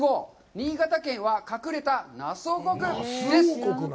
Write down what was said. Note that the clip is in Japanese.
新潟県は隠れたナス王国」です。